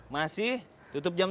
masih tutup jam tiga